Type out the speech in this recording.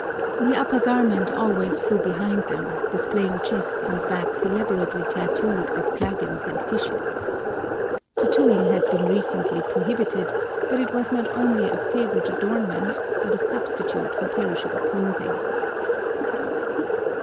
The upper garment always flew behind them, displaying chests and backs elaborately tattooed with dragons and fishes. Tattooing has recently been prohibited; but it was not only a favourite adornment, but a substitute for perishable clothing.